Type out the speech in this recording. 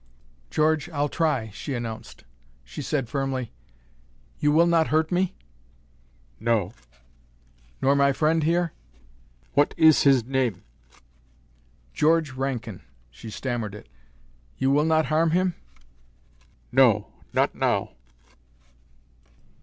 "George, I'll try," she announced. She said firmly: "You will not hurt me?" "No." "Nor my friend here?" "What is his name?" "George Rankin." She stammered it. "You will not harm him?" "No. Not now."